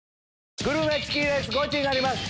グルメチキンレースゴチになります！